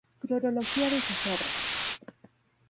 Cronología de sus obras